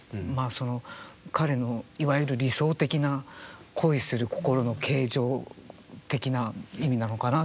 彼のいわゆる理想的な恋する心の形状的な意味なのかな。